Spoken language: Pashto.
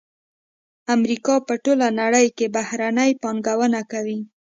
امریکا په ټوله نړۍ کې بهرنۍ پانګونه کوي